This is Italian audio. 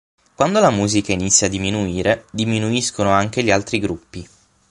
Quando la musica inizia a diminuire, diminuiscono anche gli altri gruppi.